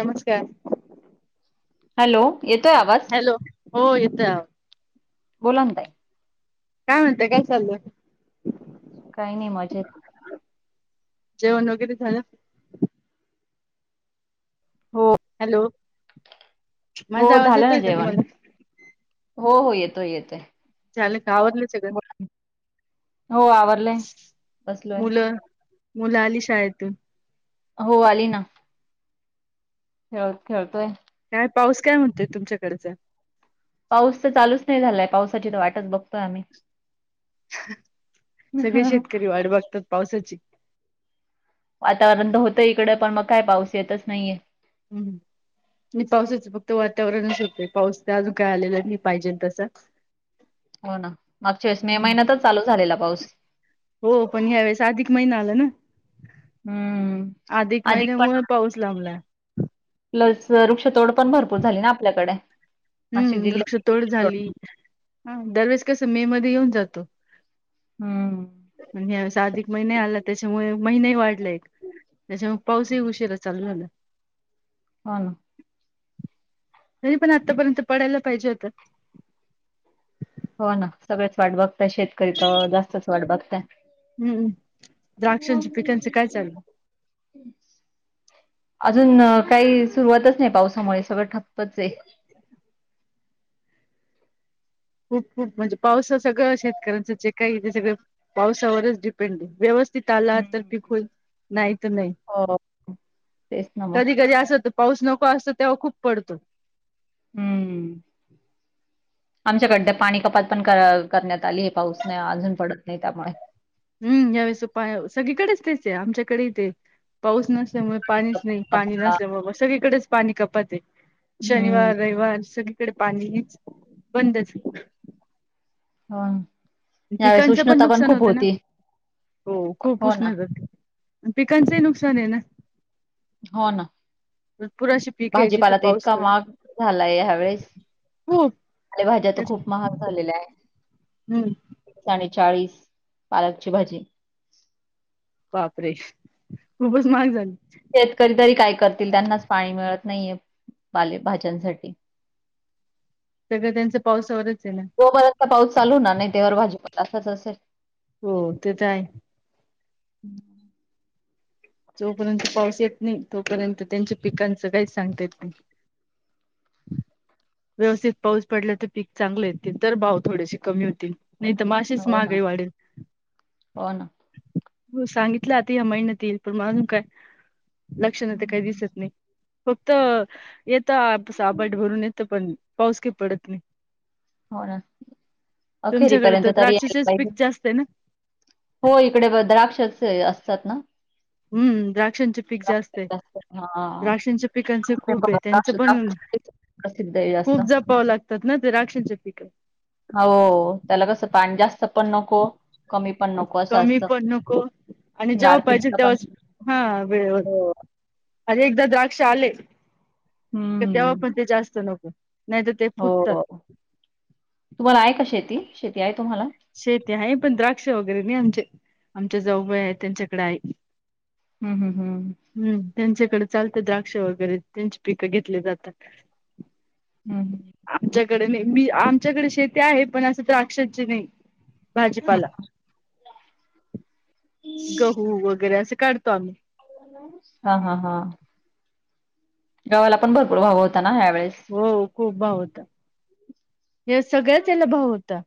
नमस्कार हॅलो येतोय आवाज हॅलो हो येतोय आवाज बोलान तई काय म्हणताय, काय चाललंय? काही नाही, मजेत. जेवण वगैरे झालं? हो हॅलो माझा हो, आवाज झालं ना येतोय का जेवण, तुम्हाला हो हो येतोयं येतोयं. गावातलंच हेय काय, हो आवरलंय बसलोय मुलं? मुलं आली शाळेतून? हो आली ना. खेळ खेळतोय. काय पाऊस काय म्हणतुयं तुमच्याकडचा? पाऊस तर चालूच नाही झालाय, पावसाची तर वाटच बघतोय आम्ही. सगळे शेतकरी वाट बघत्यात पावसाची. वातावरण तर होतंयं इकडं, पण मग काय पाऊस येतच नाहीये. हम्म. आणि पावसाच फक्त वातावरणच होतयं, पाऊस तर अजून काय आलेला नाही पाहिजे तसा. हो ना, मागच्या वेळेस मे हम्म. महिन्यातच चालू झालेला पाऊस. हो पण ह्या वेळेस अधिक महिना आला ना हम्म. अधिक महिन्यामुळे पाऊस लांबला. प्लस वृक्षतोड पण भरपूर झाली ना आपल्याकडे. नाशिक हम्म, वृक्ष जिल्ह्यात तोड झाली, वृक्षतोड दरवेळेस कसं मे मध्ये येऊन जातो. हम्म. आणि यावेळेस अधिक महिने आला त्याच्यामुळे महिने वाढले एक. त्याच्या मुळ पाऊसही उशिरा चालू झाला. होन. तरी पण आतापर्यंत पडायला पाहिजे होता. हो ना, सगळेच वाट बघताय, शेतकरी तर जास्तच वाट बघता य. हूं, द्राक्षांचे पिकांच काय चाललं? अजून काही सुरुवातच नाही, पावसामुळे सगळं ठप्पच आहे. [unintelligible] खूप खूप म्हणजे पावसाचं सगळं शेतकऱ्यांचं जे काही ते सगळं पावसावरच डिपेंड आहे. व्यवस् स्थित आला तर हम्म. पिकं होईल नाही तर नाही. हो तेच ना मग. कधी कधी असं होतं पाऊस नको असतो तेव्हा खूप पडतो. हूम्म. [inaudible] आमच्याकड तर पाणी कपात पण क करण्यात आली आहे. पाऊस नाही अजून पडत नाही त्यामुळे. हम्, यावेळेस पा सगळीकडेच तेच आहे, आमच्याकडेही ते पाऊस नस ल्यामुळे पाणीच नाही, पाणी कपात नसल्यामुळे मग सगळीकडेच पाणी कपात हेय. हम्म. शनिवार, रविवार सगळीकडे पाणीचं बंदच. ह यावेळेस पिकांचं उष्णता पण नुकसान खूप होतं ना होती. हो, खूप हो ना उष्णता अनं पिकांचंही नुकसान हेय ना. हो ना, भरपूर अशी पीक आहे जिथं भाजीपाला तर पाऊस इतका पडतो महाग झालाय ह्या वेळेस खूप पालेभाज्या तर खूप महाग झालेल्या हाये. हूं. चाळीस, पालकची भाजी. बापरे, खूपच महाग झाली. शेतकरी तरी काय करतील त्यांनाच पाणी मिळत नाहीये, पाले भाज्यांसाठी. सगळं त्यांचं पावसावरच आहे ना जोवर पाऊस चालू होणारं नाही तेवर भाजीपाला असाच असेल. हो, ते तर हाय. हम्म. जोपर्यंत पाऊस येत नाई तोपर्यंत त्यांच्या पिकांचं काही सांगता येत नाही. हम् व्यवस्थित पाऊस पडल्या तर पीक चांगले येतील तर भाव थोडेसे कमी होतील नाही तर माशीच हो ना महागई वाढेल हो ना हो सांगितलं आता या महिनत येईल पण मला काय लक्षण ते काही दिसत नाही फक्त येत साबाड भरून येतं पण पाऊस क पडत नाही हो ना तुमच्याकडे अखेरीपर्यंत तर तरी यायला द्राक्षचेच पीक पाहिजे जास्त आहे ना हो इकडे द्राक्ष असतात ना हम्म द्राक्षांचे पीक जास्त आहे द्राक्ष असतात हा. राक्षंच्या पिकांचं खूप आहे त्यांचं द्राक्ष पण द्राक्षासाठीच प्रसिद्ध आहे जास्त खूप जापाव लागतात ना ते राक्षांच्या पिक हो त्याला कसं पाणी जास्त पण नको कमी पण नको असं कमी असत पण नको आणि जेव्हा पाहिजे तेव्हाच हा वेळेवर हो अरे एकदा द्राक्ष आले तेव्हा हम्म पण ते जास्त नको नाही तर ते फुटतात हो तुम्हाला आहे का शेती शेती आहे तुम्हाला शेती आहे पण द्राक्ष वगैरे नाही आमचे आमच्या जावबाय आहेत त्यांच्याकडे आहे हम्म हम्म हम् हम्म त्यांच्याकडे चालत द्राक्ष वगैरे त्यांची पिकं घेतली जातात हम् ह आमची शेती आहे पण द्राक्षांची नाही हम्म भाजीपाला गहू वगैरे असं काढतो आम्ही हा हा हा गावाला पण खूप भाव होता ना ह्यावेेळेस. हो खूप भाव होता या सगळ्याच याला भाव होता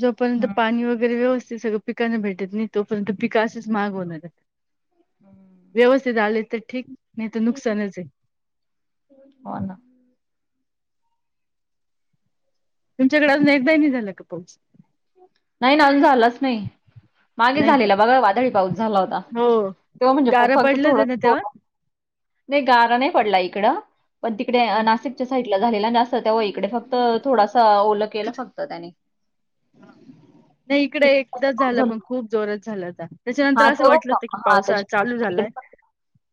जोपर्यंत हम्म. पाणी वगैरे सगळा पिकांना व्यवस्थित भेटत नाही तोपर्यंत पीक अशीच महाग होणार व्यवस्थित आले तर ठीक नाही तर नुकसानच आहे हो ना तुमच्याकडे अजून एकदाही झाला नाही का पाऊस नाही ना अून झालाच नाही मागे नाही का झालेला बघा वादळी पाऊस झाला होता हो तेव्हा म्हणजे खूप गारा पडलंच थोडा आहे ना तेव्हा थोडा नाही गारा नाही पडला इकडं पण तिकडे हो नाशिकच्या साहित झाले जास्त त्याव इकडे फक्त थोडासा ओलं केलं फक्त त्याने नाही इकड एकदा झालं पण खूप जोरात झालं आता हा त्याच्यानंतर असं वाटलं तेव्हा होतं कि हा पावसाळा चालू झालाय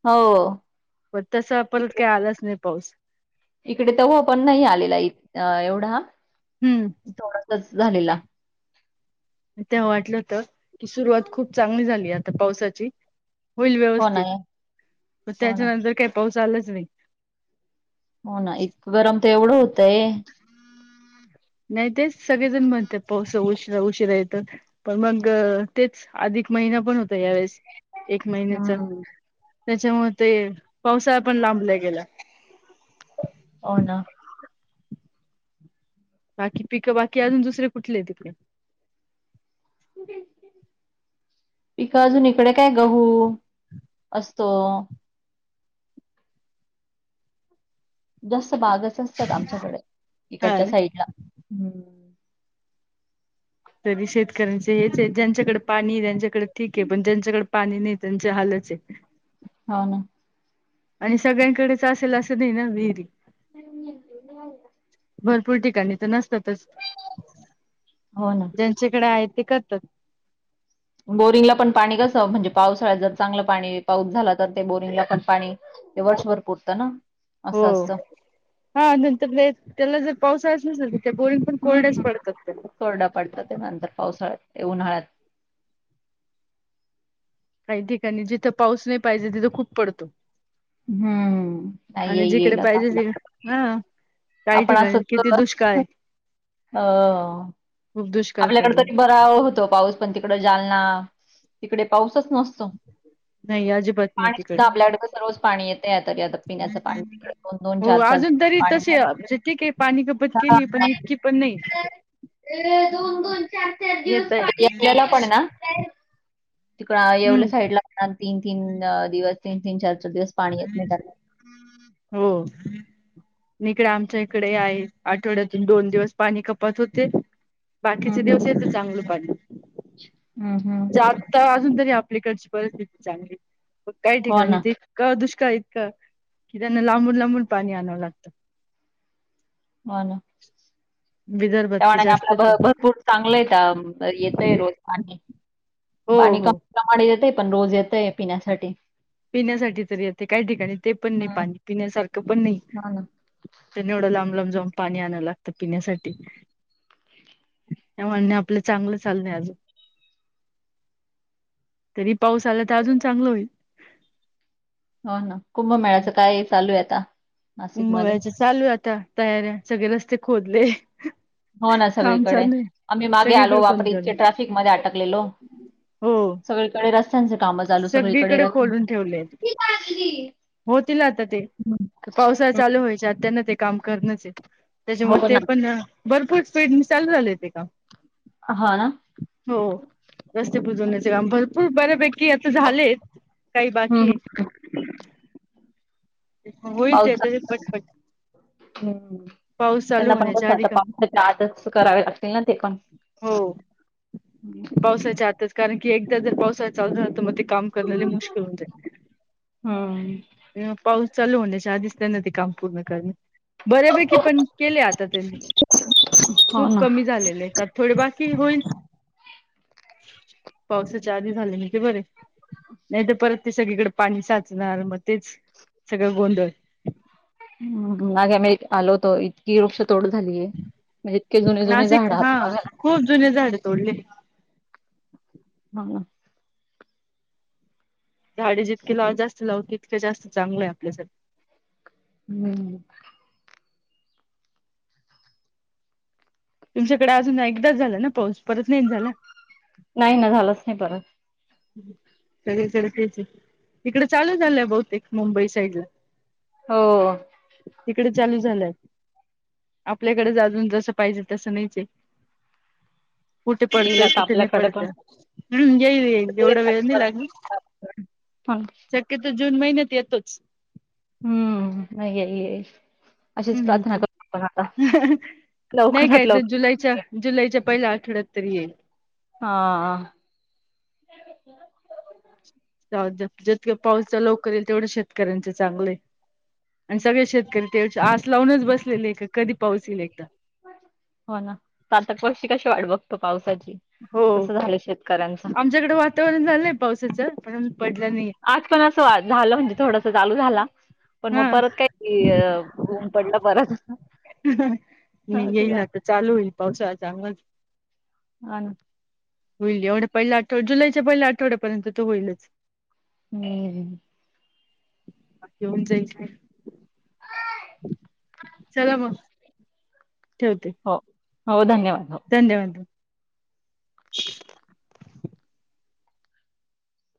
हो प तस परत तिकडे काय आलाच नाही पाऊस इकडे तर हो पण नाही आलेला एवढा हम्म थोडस झालेला तेव्हा वाटलं होत की सुरुवात खूप चांगली झाली आता पावसाची होईल हो ना व्यवस्थित तर हो ना त्याच्यानंतर काही पाऊस आलाच नाही हो ना इत गरम तर एवढं होतंय नाही तेच सगळेजण म्हणत पावस उशरा उशिरा येत पण मग तेच आधी एक महिना पण होता यावेळेस एक महिन्याच हम्म. त्याच्यामुळे ते पावसाळा पण लांब लय गेला. हो ना बाकी पीक बाकी अजून दुसरे कुठले ये तिकडे [inaudible] पिक अजून इकडे काय गहू असतो. जास्त बागच असतात आमच्याकडे हा इकडच्या ना साईडला हूं तरी शेतकऱ्यांचे हेच आहे ज्यांच्याकड पाणी त्यांच्याकड ठीक आहे पण ज्यांच्याकड पाणी नाही त्यांचे हालच आहे. हा ना. आणि सगळ्यांकडेच असेल असं नाही ना विहिरी. [unintelligible] भरपूर ठिकाणी तर नसतातच. हो ना ज्यांच्याकडे आहेत ते करतात. बोरिंगला पण पाणी कसं, म्हणजे पावसाळ जर चांगलं पाणी पाऊस झाला तर ते बोरिंगला पण पाणी ते वर्षभर पुरतं ना. हो असं असतं हा नंतर नायच त्याला जर पावसाळाचं नसलं तर ते बोरिंग पण हम्म कोरडेच पडतात त्या कोरडा पडतं ते नंतर पावसाळ्यात ते उन्हाळत काही ठिकाणी जिथं पाऊस नाही पाहिजे तिथं खूप पडतो. हम्म नाही आणि येईल जिकडे येईल आता पाहिजे ति आपल्याकडे हा काही आपण ठिकाणी असंच किती दुष्काळये. आपल्याकड तरी बरा होत पाऊस पण तिकड जालना तिकडे पाऊस सच नसतो. नाही अजिबात नाही पाणी सुद्धा तिकडे आपल्याकड कसं रोज पाणी येतेय आता तरी पिण्याचं पाणी दोन दोन हो चार चार दिवस अजून तरी तसे म्हणजे ठीक ये पाणी कपत केलीय पण इतकी पण नाही. ये दोन दोन चार चार येतय दिवस [unintelligible] पण ना तिकल हम्म येवले साईटला तीन तीन दिवस तीन तीन चार दिवस पाणी येत नाय काय नाय. हो. इकड आमच्या इकडे आहे आठवड्यातून दोन दिवस पाणी कपात होते. हम्म, बाकीचे हम्म, दिवस हम्म. येत चांगलं पाणी. हम्म, हम्म. च्या आता अजून तरी आपल्याकडची परिस्थिती चांगली काही हो ना ठिकाणीत इतका दुष्काळी इत का कि त्यांना लांबून लांबून पाणी आणावं लागत. हो ना. विदर्भात तर त्यामानाणे आपला जास्तच भ आहे भरपूर चांगलय येतय रोज पाणी. हो पाणी हो कमी प्रमाणात येतय पण रोज येतय पिण्यासाठी. पिण्यासाठी तरी येते काही ठिकाणी ते पण नाही हम्म, पाणी पिण्यासारखं पण नाई. हो ना त्यानां एवढं लांब लांब जाऊन पाणी आणाव लागतं पिण्यासाठी. त्या मानाने आपलं चांगलं चाललंय अजून तरी पाऊस आला तर अजून चांगल होईल. हो ना कुंभमेळाचं काय चालू आहे आता नाशिकमध्ये कुंभामेळ्याच्या चालू आहे आता तयाऱ्या सगळे रस्ते खोदले. हो ना काम सगळीकडे चालू आहे. आम्ही मागे आलो सगळीकडे कोण बापरे! इतके ट्रॅफिकमध्ये अटकलेलो. हो सगळीकडे रस्त्यांच काम चालू सगळीकडे खोलून ठेवलेत. रत्यां होतील आता ते पावसाळ चालू व्हायच्या आता त्यांना ते काम करनच ये त्याच्यामुळ हो ते ना. पण भरपूर स्पीड न चालू झालय ते काम. हा ना. हो रस्ते बुजवण्याचे काम भरपूर बऱ्यापैक की आता झालेत काही हं, बाकी ये. हं. होईल ते आता [unintelligible] पट पट हम्म त्यांना पण कसं आता काम पावसाच्या आतचं करावे लागतील ना ते कामं हो, पावसाच्या आतच, कारण की एकदा जर पावसाळा चालू झाला तर मग ते काम करणं लय मुश्किल होऊन जाईल. हं. ह्म्म, पाऊस चालू होण्याच्या आधीच त्यांना ते काम पूर्ण करणे. बऱ्यापैकी पण केले आता त्यांनी, हो खूप ना. कमी झालेले. त्यात थोडे बाकी होईल, पावसाच्या आधी झाले म ते बरे. नाही तर परत ते सगळीकडे पाणी साचणार मग तेच सगळं गोंधळ. ह्म्म, मागे मी आलो होतो इ की वृक्ष तोड झालीय, म्हणजे इतके जुने जुने नाशिक झाड हा बघाना खूप जुने झाडे तोडले हम्म झाडे जितके ला जास्त लावू तितके जास्त चांगलंय आपल्यासाठी. हम्म. तुमच्याकडे अजून एकदा झाला ना पाऊस परत नाहीन झाला? नाही ना झालाच नाही परत. हम्म, सगळीकडे तेच आहे, हिकडं चालू झालाय बहुतेक मुंबई साईड ला. हो तिकडे चालू झालाय. आपल्याकडे ज आजून जसं पाहिजे तसं नाहीचए. कुठे येईल पडतंय आता कुठे नाही आपल्याकडे पण. पडतेय, हम्म येईल येईल. एवढा वेळ नाही लागणार, हं. शक्यतो जून महिन्यात येतोच. हम्म, नाहीये ए ए ह् नाही काय लवकरात तर. लवकर जुलैच्या-जुलैच्या पहिला अठड्यात् तरी येईल. हा. जितके पाऊसचा लवकर येईल तेवढं शेतकऱ्यांचे चांगले. आणि सगळे शेतकरी ते आस लावूनच बसलेले एक हो ना तातक पक्षी कशी वाढ बघ पावसाची हो कस झालं शेतकऱ्यांच. आमच्याकडे वातावरण झालंय पावसाचं पण पडला नाही. आज पण असं झालं म्हणजे थोडस चालू झाला. पण मग हा परत काय ऊन पडलं परत. मी असं झालं येईल तर चालू होईल पावसाळ्या चांगलाच. हा. ना. होईल एवढं पहिल्या आठवड जुलैच्या पहिल्या आठवड्यापर्यंत त होईलच. हम्म. [unintelligible] चला मग ठेवते. हो हो धन्यवाद. हो धन्यवाद.